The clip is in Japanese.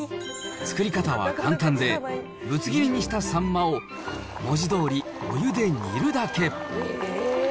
作り方は簡単で、ぶつ切りにしたサンマを、文字どおりお湯で煮るだけ。